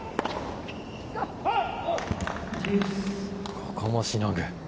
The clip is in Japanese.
ここもしのぐ。